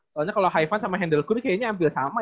soalnya kalo haifat sama hendel kun kayaknya hampir sama ya